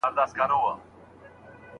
اور مو له خپلي لمني بل دی